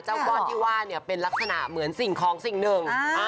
ก้อนที่ว่าเนี่ยเป็นลักษณะเหมือนสิ่งของสิ่งหนึ่ง